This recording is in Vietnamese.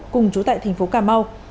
cùng chú tại tp cà mau